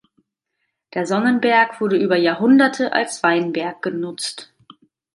Der Sonnenberg wurde über Jahrhunderte als Weinberg genutzt.